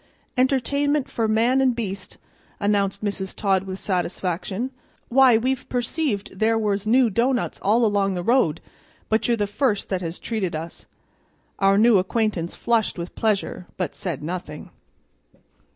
"Entertainment for man and beast," announced Mrs. Todd with satisfaction. "Why, we've perceived there was new doughnuts all along the road, but you're the first that has treated us." Our new acquaintance flushed with pleasure, but said nothing.